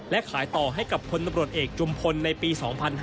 และขายต่อให้กับพลตำรวจเอกจุมพลในปี๒๕๕๙